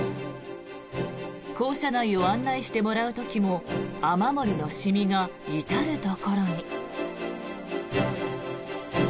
校舎内を案内してもらう時も雨漏りの染みが至るところに。